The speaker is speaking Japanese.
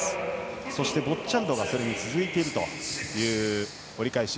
ボッチャルドがそれに続いているという折り返し。